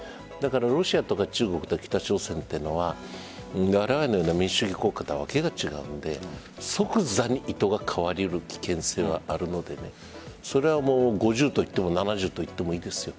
ロシアとか中国とか北朝鮮はわれわれのような民主主義国家とは訳が近くて即座に意図が変わりうる危険性はあるので５０といっても７０といってもいいです。